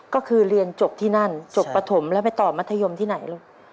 ก็คือเรียนจบที่นั่นจบปฐมแล้วไปต่อมัธยมที่ไหนลูก